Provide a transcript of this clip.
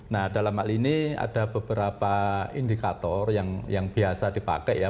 nah dalam hal ini ada beberapa indikator yang biasa dipakai ya